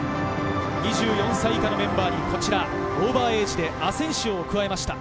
２４歳以下のメンバーにオーバーエイジでアセンシオを加えました。